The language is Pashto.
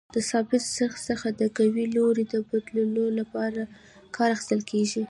د ثابت څرخ څخه د قوې لوري بدلولو لپاره کار اخیستل کیږي.